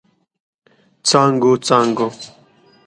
څانګو، څانګو